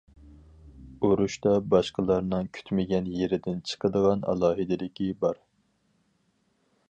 ئۇرۇشتا باشقىلارنىڭ كۈتمىگەن يېرىدىن چىقىدىغان ئالاھىدىلىكى بار.